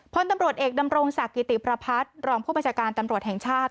พลตำรวจเอกดำรงศักดิ์กิติประพัฒน์รองผู้บัญชาการตำรวจแห่งชาติ